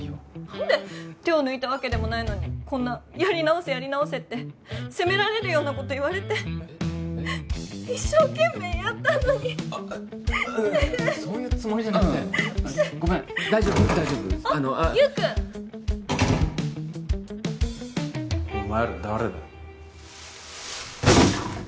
何で手を抜いたわけでもないのにこんなやり直せやり直せって責められるようなこと言われて一生懸命やったのにそういうつもりじゃなくてあっゆーくん！お前ら誰だ？